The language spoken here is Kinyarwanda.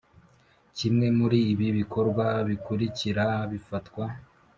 kimwe muri ibi bikorwa bikurikira bifatwa